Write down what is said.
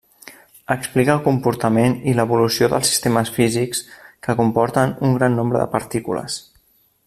Explica el comportament i l'evolució de sistemes físics que comporten un gran nombre de partícules.